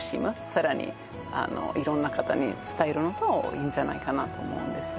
さらに色んな方に伝えるのもいいんじゃないかなと思うんです